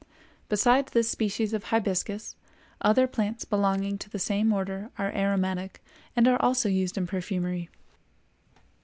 Besides this species of Hibiscus, other plants belonging to the same order are aromatic and are also used in perfumery.